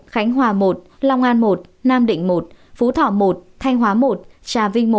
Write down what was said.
khánh hòa một long an một nam định một phú thọ một thanh hóa một trà vinh một